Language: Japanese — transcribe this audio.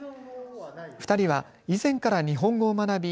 ２人は以前から日本語を学び